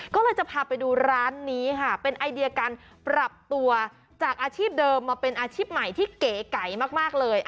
ก็เลยจะพาไปดูร้านนี้ค่ะเป็นไอเดียการปรับตัวจากอาชีพเดิมมาเป็นอาชีพใหม่ที่เก๋ไก่มากเลย